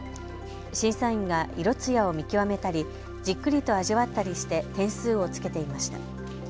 審査員が色つやを見極めたりじっくりと味わったりして点数をつけていました。